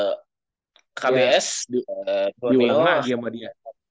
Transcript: diulang lagi sama dia